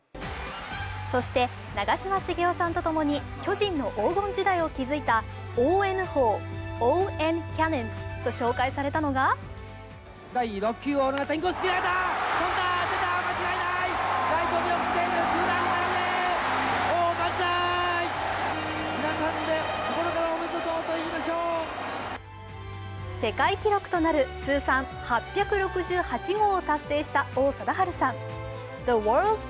そして長嶋茂雄さんとともに巨人の黄金時代を築いたＯＮ砲＝Ｏ．Ｎｃａｎｎｏｎｓと紹介されたのが世界記録となる通算８６８号を達成した王貞治さん。